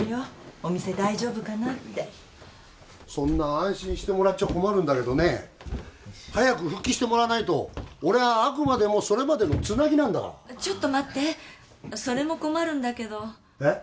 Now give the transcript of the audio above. お店大丈夫かなってそんな安心してもらっちゃ困るんだけどね早く復帰してもらわないと俺はあくまでもそれまでのつなぎなんだからちょっと待ってそれも困るんだけどえっ？